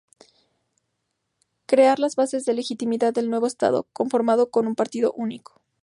Crear las bases de legitimidad del nuevo estado, conformado con un partido único.